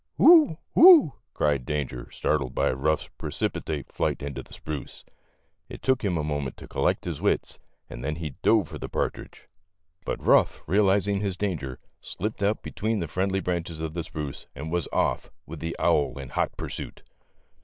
"Who, who," cried Danger, startled by Ruff's precipitate flight into the spruce. It took him a moment to collect his wits, and then he dove for the partridge, but Ruff, real 124 THE LITTLE FORESTERS. izing his danger, slipped out between the friendly branches of the spruce and was off, with the owl in hot pursuit.